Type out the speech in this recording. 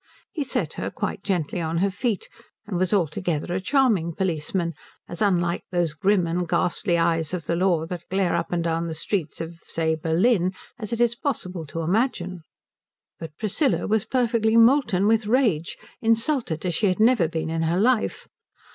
He set her quite gently on her feet, and was altogether a charming policeman, as unlike those grim and ghastly eyes of the law that glare up and down the streets of, say, Berlin, as it is possible to imagine. But Priscilla was perfectly molten with rage, insulted as she had never been in her life.